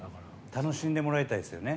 楽しんでもらいたいですよね。